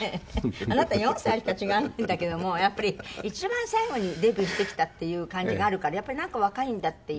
あなた４歳しか違わないんだけどもやっぱり一番最後にデビューしてきたっていう感じがあるからやっぱりなんか若いんだっていう。